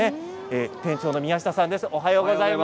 店長の宮下さんです。